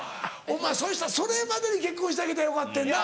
お前そしたらそれまでに結婚してあげたらよかってんな。